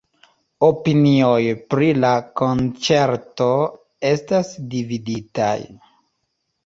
Opinioj pri la konĉerto estas dividitaj.